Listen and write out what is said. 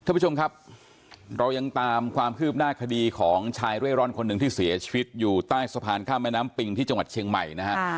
ท่านผู้ชมครับเรายังตามความคืบหน้าคดีของชายเร่ร่อนคนหนึ่งที่เสียชีวิตอยู่ใต้สะพานข้ามแม่น้ำปิงที่จังหวัดเชียงใหม่นะฮะ